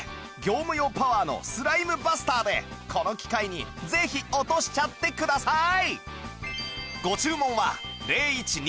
業務用パワーのスライムバスターでこの機会にぜひ落としちゃってください